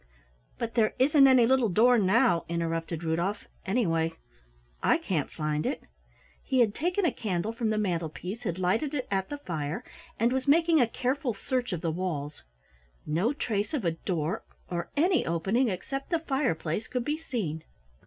'" "But there isn't any little door now," interrupted Rudolf, "anyway, I can't find it." He had taken a candle from the mantel piece, had lighted it at the fire, and was making a careful search of the walls. No trace of a door or any opening except the fireplace could be seen.